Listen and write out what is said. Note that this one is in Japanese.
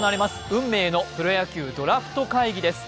運命のプロ野球ドラフト会議です。